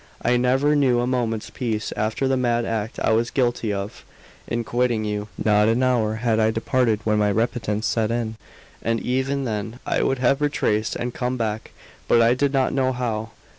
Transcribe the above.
"I never knew a moment's peace after the mad act I was guilty of, in quitting you. Not an hour had I departed when my repentance set in; and even then I would have retraced and come back, but I did not know how.